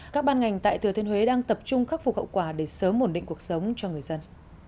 các ban ngành tại thừa thiên huế đang tập trung khắc phục hậu quả để sớm ổn định cuộc sống cho người dân